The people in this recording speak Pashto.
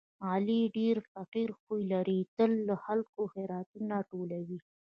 علي ډېر فقیر خوی لري، تل له خلکو خیراتونه ټولوي.